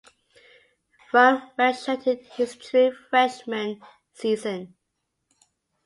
Rumph redshirted his true freshman season.